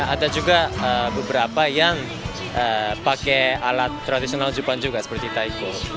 ada juga beberapa yang pakai alat tradisional jepang juga seperti taiko